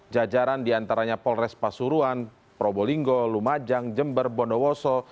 jajaran diantaranya polres pasuruan probolinggo lumajang jember bondowoso